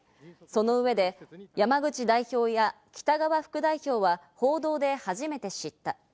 その上で山口代表や北側副代表は、報道で初めて知った。